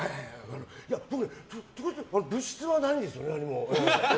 僕、物質はないんですよね。